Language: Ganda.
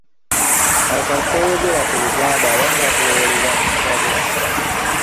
Awo kasita oyogera ku Luganda abamu bakulowooleza mu ssabo.